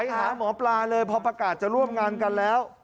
หาหมอปลาเลยพอประกาศจะร่วมงานกันแล้ว